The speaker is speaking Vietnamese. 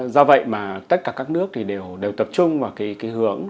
do vậy mà tất cả các nước thì đều tập trung vào cái hướng